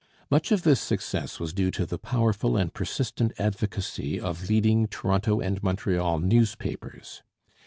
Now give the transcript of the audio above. Much of this success was due to the powerful and persistent advocacy of leading Toronto and Montreal newspapers.